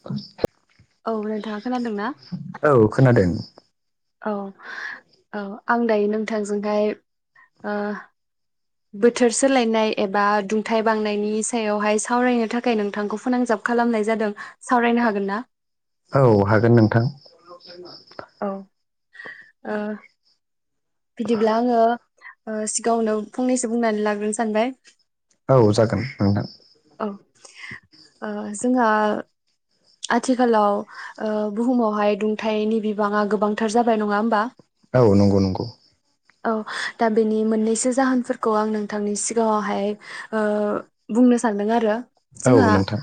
ख [inaudible] औ नोंथांङा खोनादों ना औ खोनादों औ औ आं दायो नोंथांजोंहाय बोथोर सोलायनाय एबा दुंथाइ बांनायनि सायावहाय सावरायनो थाखाय नोंथांखौ फोनांजाब खालामनाय जादों सावरायनो हागोन ना औ हागोन नोंथां [unintelligible] औ ओ बिदिब्ला आङो सिगाङावनो फंनैसो बुंनानै लाग्रोनो सानबाय औ जागोन नोंथां औ ओ जोंहा आथिखालाव ओ बुहुमावहाय दुंथाइनि बिबाङा गोबांथार जाबाय नङा होमबा औ नंगौ नंगौ औ दा बेनि मोननैसो जाहोनफोरखौ आं नोंथांनि सिगाङावहाय ओ बुंनो सानदों आरो औ जोंहा नोंथां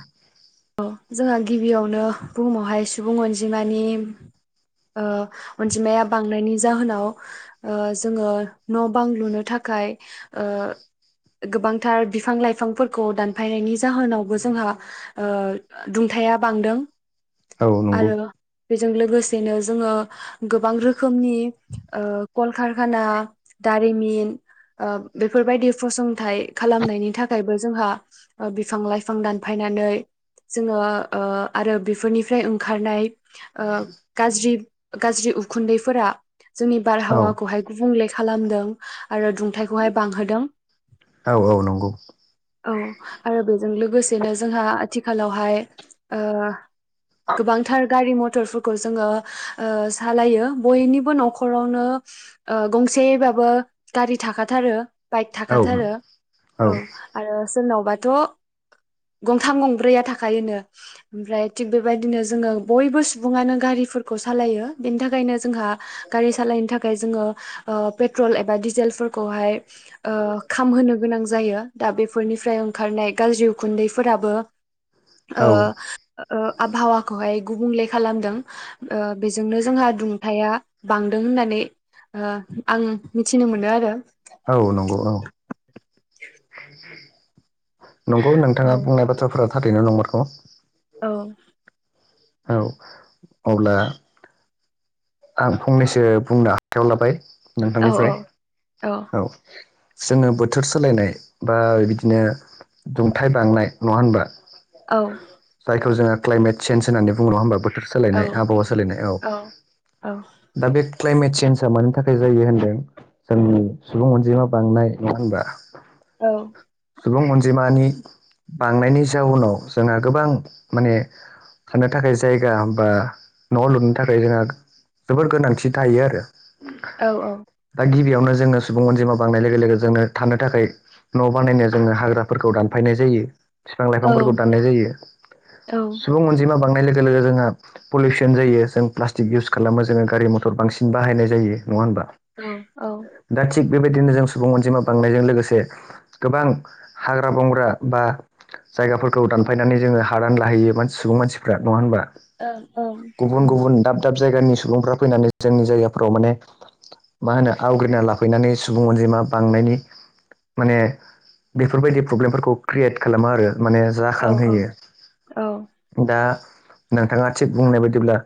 औ जोंहा गिबियावनो बुहुमावहाय सुबुं अनजिमानि ओ अनजिमाया बांनायनि जाहोनाव ओ जोङो न' बां लुनो थाखाय ओ गोबांथार बिफां लाइफांफोरखौ दानफायनायनि जाहोनावबो जोंहा ओ दुंथाया बांदों औ नंगौ आरो बेजों लोगोसेनो जोङो गोबां रोखोमनि ओ कलकारखाना दारिमिन ओ बेफोरबायदि फसंथाइ खालामनायनि थाखायबो जोंहा ओ बिफां लाइफां दानफायनानै जोङो ओ आरो बेफोरनिफ्राय ओंखारनाय ओ गाज्रि गाज्रि उखुन्दैफोरा जोंनि औ बारहावाखौहाय गुबुंले खालामदों आरो दुंथाइखौहाय बांहोदों औ औ नंगौ औ आरो बेजों लोगोसेनो जोंहा आथिखालावहाय ओ गोबांथार गारि मथरफोरखौ जोङो ओ सालायो बयनिबो न' खरावनो ओ गंसेबाबो गारि थाखाथारो बाइक औ थाखाथारो औ आरो सोरनावबाथ' गंथाम गंब्रैया थाखायोनो ओमफ्राय थिग बेबायदिनो जोङो बयबो सुबुङानो गारिफोरखौ सालायो बेनि थाखायनो जोंहा गारि सालायनो थाखाय जोङो ओ पेट्रल एबा डिजेलफोरखौहाय ओ खामहोनो गोनां जायो दा बेफोरनिफ्राय ओंखारनाय गाज्रि उखुन्दैफोराबो ओ औ ओ आबहावाखौहाय गुबुंले खालामदों ओ बेजोंनो जोंहा दुंथाया बांदों होननानै ओ आं मिथिनो मोनो आरो औ नंगौ औ नंगौ औ नोंथाङा बुंनाय बाथ्राफोरा थारैनो नंमारगौ औ औ अब्ला आं फंनैसो बुंनो आखायाव लाबाय औ नोंथांनिफ्राय औ जोङो बोथोर सोलायनाय बा बिदिनो दुंथाइ बांनाय नङा होनबा औ जाय जोङो क्लाइमेटचन होननावै बुङो नङा होमबा बोथोर औ सोलायनाय आबहावा सोलायनाय औ औ दा बे क्लाइमेट चेन्जआ मानि थाखाय जायो होनदों जोंनि सुबुं अनजिमा बांनाय नङा होनबा औ सुबुं अनजिमानि बांनायनि जाउनाव जोंहा गोबां माने साननो थाखाय जायगा बा न'आव लुनो थाखाय जोंहा जोबोर गोनांथि थायो आरो औ औ दा गिबियावनो जोङो सुबुं अनजिमा बांनाय लोगो लोगो जोंनो थानो थाखाय न' बानायनायाव जोङो हाग्राफोरखौ दानफायनाय जायो बिफां औ लाइफांफोरखौ दाननाय जायो औ सुबुं अनजिमा बांनाय लोगो जोंहा पलिउसन जायो जों प्लासटिक इउस खालामो जोङो गारि मथर बांसिन बाहायनाय जायो नङा होनबा औ औ दा थिग बेबायदिनो जों सुबुं अनजिमा बांनायजों लोगोसे गोबां हाग्रा बंग्रा बा जायगाफोरखौ दानफायनानै जोङो हादान लाहैयो सुबुं मानसिफ्रा नङा होनबा गुबुन गुबुन दाब दाब जायगानि सुबुंफ्रा फैनानै जोंनि जायगाफ्राव माने मा होनो आवग्रिना लाफैनानै सुबुं अनजिमा बांनायनि माने बेफोरबायदि प्रब्लेमफोरखौ क्रियेट खालामो आरो माने औ जाखांहोयो दा नोंथाङा थिग बुंनाय बायदिब्ला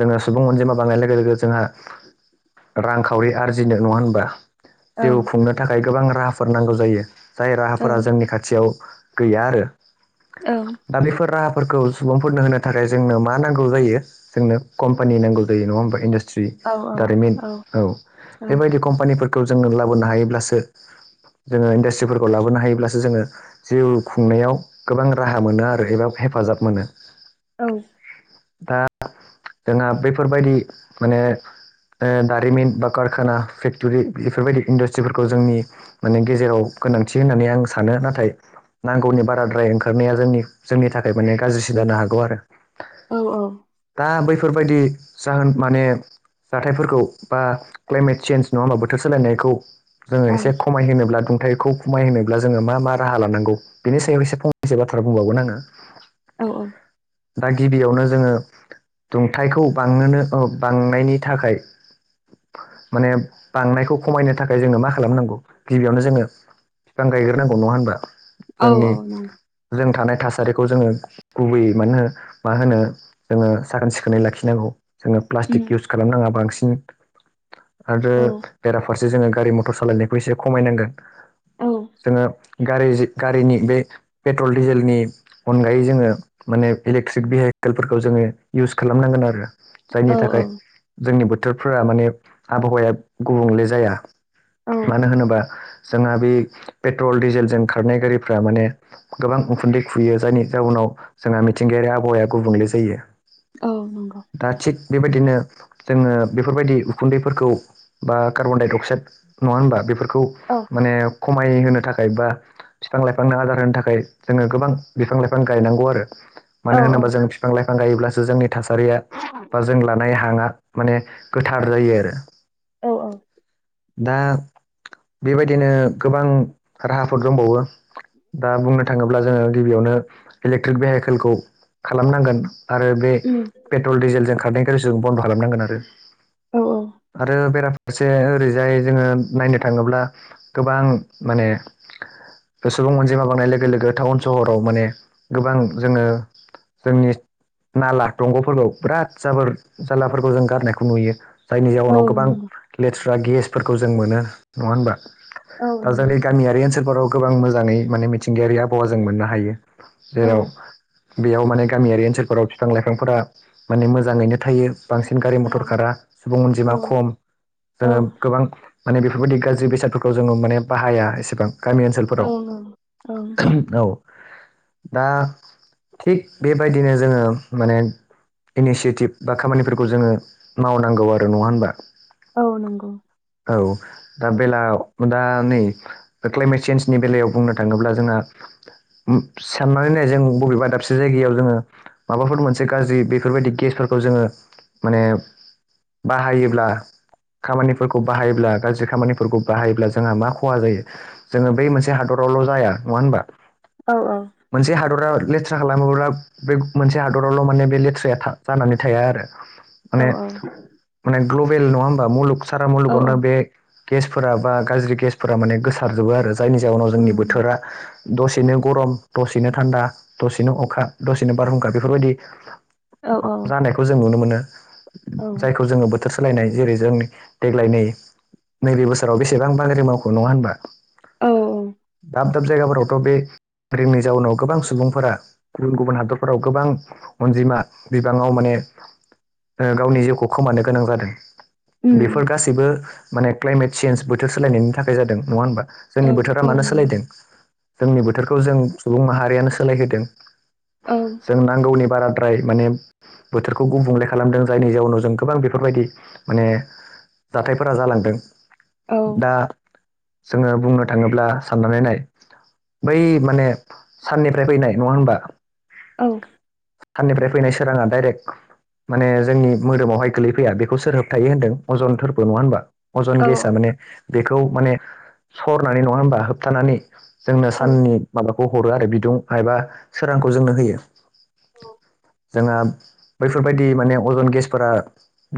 जोङो सुबुं अनजिमा बानायनाय लोगो लोगो जोंहा रांखावरि आरजिनो नङा होनबा जिउ खुंनो थाखाय गोबां राहाफोर नांगौ जायो जाय राहाफोरा जोंनि खाथियाव गैया आरो औ दा बेफोर राहाफोरखौ सुबुंफोरनो होनो थाखाय जोंनो मा नांगौ जायो जोंनो कम्पानि नांगौ जायो नङा होमबा इडास्ट्रि दारिमिन औ बेबायदि कम्पानिफोरखौ जोङो लाबोनो हायोब्लासो जोङो इन्डास्ट्रिफोरखौ लाबोनो हायोब्लासो जोङो जिउ खुंनायाव गोबां राहा मोनो आरो एबा हेफाजाब मोनो औ दा जोंहा बैफोरबायदि माने ओ दारिमिन बा कारखाना फेक्टरि बेफोरबायदि इन्डासट्रिफोरखौ जोंनि माने गेजेराव गोनांथि होननानै आं सानो नाथाय नांगौनि बाराद्राय ओंखारनाया जोंनि जोंनि थाखाय माने गाज्रिसन जानो हागौ आरो औ औ दा बैफोरबायदि जाहोन माने जाथायफोरखौ बा क्लाइमेट चेन्ज नङा होमबा बोथोर सोलायनायखौ जोङो एसे खमाय होनोब्ला दुंथाइखौ खमाय होनोब्ला जोङो मा मा राहा लानांगौ बेनि सायाव एसे फंनैसो बाथ्रा बुंबावगोन आङो औ औ दा गिबियावनो जोङो दुंथाइखौ बांनोनो बांनायनि थाखाय माने बांनायखौ खमायनो थाखाय जोंनो मा खालामनांगौ गिबियावनो जोङो बिफां गायग्रोनांगौ नङा होनबा औ जोंनि नंगौ जों थानाय थासारिखौ जोङो गुबैयै मानो होन मा होनो जोङो साखोन सिखोनै लाखिनांगौ जोङो प्लास्टिक इउस खालामनाङा बांसिन आरो बेराफारसे जोङो गारि मटर सालायनायखौ एसे खमायनांगोन औ जोङो गारि गारिनि बै पेट्रल डिजेलनि अनगायै जोङो माने इलेक्ट्रिक भेहिकेलफोरखौ जोङो इउस खालामनांगोन आरो जायनि थाखाय औ जोंनि बोथोरफोरा माने आबहावाया गुबुंले जाया औ मानो होनोबा जोंहा बे पेट्रल डिजेलजों खारनाय गारिफ्रा माने गोबां उखुन्दै खुयो जायनि जाउनाव जोंहा मिथिंगायारि आबहावाया गुबुंले जायो औ नंगौ दा थिग बेबायदिनो जोङो बेफोरबायदि उखुन्दैफोरखौ बा कार्बनडाइ अक्साइद नङा होनबा बेफोरखौ औ खौ माने खमायहोनो थाखाय बा बिफां लाइफांनो आदार होनो थाखाय जोङो गोबां बिफां लाइफां गायनांगौ आरो औ मानो होनोबा जों बिफां लाइफां गायोब्लासो जोंनि थासारिआ बा जों लानाय हांआ माने गोथार जायो आरो औ औ दा बेबायदिनो गोबां राहाफोर दंबावो दा बुंनो थाङोब्ला जोङो गिबिआवनो इलेक्ट्रिक भिहाइकेलखौ खालामनांगोन आरो बे उम पेट्रल डिजिलजों खारनायखौ जों बन्द' खालामनांगोन आरो औ औ आरो बेराफारसे ओरैजाय जोङो नायनो थाङोब्ला गोबां माने ओ सुबुं अनजिमा बांनाय लोगो लोगो टाउन सहराव माने गोबां जोङो जोंनि नाला दंग'फोरखौ बिराद जाबोर जालाफोरखौ जों गारनायखौ नुयो जायनि औ जाउनाव गोबां नंगौ लेथ्रा गेसफोरखौ जों मोनो नङा होनबा औ दा नंगौ जोंनि गामिआरि ओनसोलफोराव गोबां मोजाङै माने मिथिंगाआरि आबहावा जों मोननो हायो औ जेराव बेयाव माने गामिखरि ओनसोलफोराव बिफां लाइफांफोरा माने मोजाङैनो थायो बांसिन गारि औ मथर खारा सुबुं औ अनजिमा खम जोङो गोबां माने बेफोरबादि गाज्रि बेसादफोरखौ जों माने बाहाया एसेबां गामि ओनसोल औ फोराव नंगौ औ ओह औ दा थिग बेबादिनो जोङो माने इनिसियेटिभ बा खामानिफोरखौ जोङो मावनांगौ आरो नङा होनबा औ नंगौ औ दा बेलायाव दा नै क्लाइमेट चेन्जनि बेलायाव बुंनो थाङोब्ला जोंहा साननानै नाय जों बबेबा दाबसे जायगायाव जोङो माबाफोर मोनसे गाज्रि बेफोरबादि गेसफोरखौ जोङो माने बाहायोब्ला खामानिफोरखौ बाहायब्ला गाज्रि खामानिफोरखौ बाहायोब्ला जोंहा मा खहा जायो जोङो बे मोनसे हादरावल' जाया नङा होनबा औ औ मोनसे हादोरा लेथ्रा खालामोब्ला बे मोनसे हादोरावल' माने बे लेथ्राया जानानै थाया आरो औ माने माने ग्ल'बेल नङा होमबा मुलुग सारा औ औ मुलुगावनो बे गेसफोरा बा गाज्रि गेसफोरा माने गोसारजोबो आरो जायनि जाउनाव जोंनि उम बोथोरा दसेनो गरम दसेनो थान्दा दसेनो अखा दसेनो बारहुंखा बेफोरबादि औ जानायखौ जों नुनो मोनो औ जायखौ जोङो बोथो बोथोर सोलायनाय जेरै जों देग्लाय नै नैबे बोसोराव बेसेबां बाज्रि मावखो नङा होनबा औ दा दाब दाब जायगाफोरावथ बे रिंनि जाउनाव गोबां सुबुंफोरा गुबुन गुबुन हादरफोराव गोबां अनजिमा बिबांआव माने ओ गावनि जिउखौ खोमानो गोनां जादों उम बेफोर गासैबो माने क्लाइमेट चेन्ज बोथोर सोलायनायनि थाखाय जादों नङा होनबा औ जोंनि बोथोरा औ मानो नंगौ सोलायदों जोंनि बोथोरखौ जों सुबुं माहारिआनो सोलायहोदों औ जों नांगौनि बाराद्राय मानि बोथोरखौ गुबुंले खालामदों जायनि जाउनाव जों गोबां बेफोरबादि माने जाथायफोरा जालांदों औ दा जोङो बुंनो थाङोब्ला साननानै नाय बै माने साननिफ्राय फैनाय नङा होमबा औ साननिफ्राय फैनाय सोराङा डाइरेक्ट माने जोंनि मोदोमावहाय गोलैफैया बेखौ सोर होबथायो होनदों अजन थोरफो नङा होनबा अजन औ गेस औ माने बेखौ माने सरनानै नङा होनबा होबथानानै जोंनो औ साननि माबाखौ हरो आरो बिदुं एबा सोरांखौ जोंनो होयो औ जोंहा बैफोरबायदि माने अजन गेसफोरा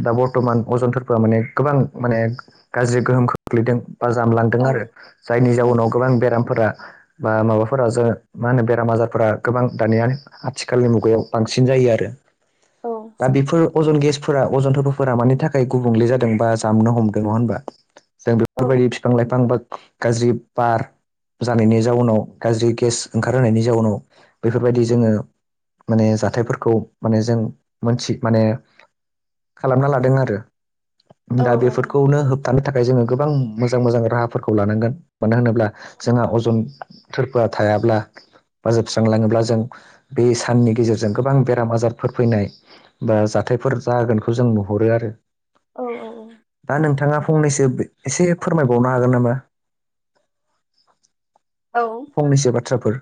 दा बर्थमान अजनथफोरा माने गोबां माने गाज्रि गोहोम खोख्लैदों बा जामलांदों आरो जायनि जाउनाव गोबां बेरामफोरा बा माबाफोर जों मा होनो बेराम आजारफोरा गोबां दानिया आथिखालनि मुगायाव बांसिन जायो आरो दा बेफोर अजन गेसफोरा अजन फोरबोफोरा मानि थाखाय गुबुंले जादोंबा जामनो हमदों नङा होनबा जों बेफोरबायदि बिफां लाइफां बा गाज्रि बार जानायनि जाउनाव गाज्रि गेस ओंखारहोनायनि जाउनाव बेफोरबायदि जोङो माने जाथायफोरखौ माने जों मोनथि माने खालामना लादों आरो दा औ बेफोरखौनो होबथानो थाखाय जोङो गोबां मोजां मोजां राहाफोरखौ लानांगोन मानो होनोब्ला जोंहा अजन थोरफोआ थायाब्ला बा जोबस्रांलाङोब्ला जों बे साननि गेजेरजों गोबां बेराम आजारफोर फैनाय बा जाथायफोर जागोनखौ जों नुहरो आरो औ-औ-औ दा नोंथाङा फंनैसो एसे फोरमायबावनो हागोन नामा औ फंनैसो बाथ्राफोर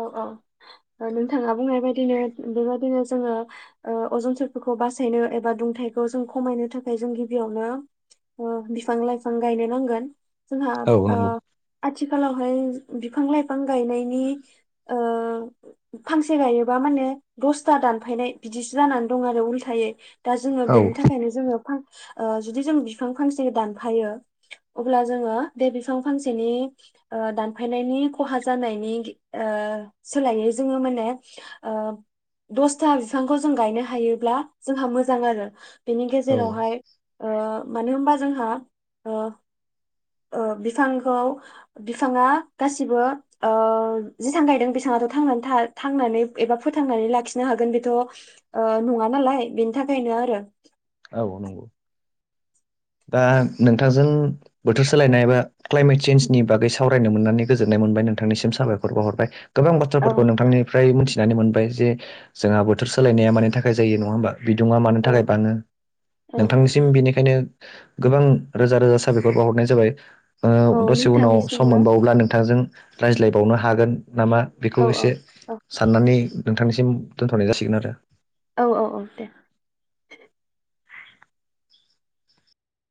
औ-औ नोंथाङा बुंनाय बादिनो बेबायदिनो जोङो अजन सफोरखौ बासायनो एबा दुंथाइखौ जों खमायनो थाखाय जों गिबियावनो बिफां लाइफां गायनो नांगोन जोंहा औ नंगौ आथिखालावहाय बिफां लाइफां गायनायनि ओ [inaudible] फांसे गायोबा माने दसथा दानफायनाय बिदिसो जानानै दं आरो उल्थायै दा जोङो औ बेनि थाखायनो जोङो जुदि जों बिफां फांसे दानफायो अब्ला जोङो बे बिफां फांसेनि दानफायनायनि खहा जानायनि सोलायै जोङो माने दसथा बिफांखौ जों गायनो हायोब्ला जोंहा मोजां आरो बेनि औ गेजेरावहाय ओ मानो होमबा जोंहा ओ बिफांखौ बिफाङा गासिबो जेसां गायदों बेसेबांथ' थांनानै थ थांनानै एबा फोथांनानै लाखिनो हागोन बेथ' नङा नालाय बेनि थाखायनो आरो औ नंगौ दा नोंथांजों बोथोर सोलायनाय बा क्लाइमेट चेन्जनि बागै सावरायनो मोननानै गोजोननाय मोनबाय नोंथांनिसिम साबायखर बावहरबाय गोबां बाथ्राफोरखौ औ नोंथांनिफ्राय मिथिनानै मोनबाय जे जोंहा बोथोर सोलायनाया मानि थाखाय जायो नङा होमबा बिदुङा मानो औ थाखाय बाङो औ नोंथांनिसिम बिनिखायनो गोबां रोजा रोजा साबायखर बावाहरनाय जाबाय औ दसे उनाव सम नोंथांनिसिमबो मोनबावोब्ला नोंथांजों रायज्लायबावनो हागोन नामा औ बेखौ औ एसे औ साननानै नोंथांनिसिम दोनथ'नाय जासिगोन आरो औ-औ-औ दे